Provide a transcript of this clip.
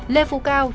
lê phú cao